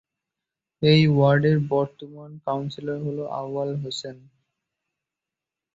এ ওয়ার্ডের বর্তমান কাউন্সিলর হলেন আউয়াল হোসেন।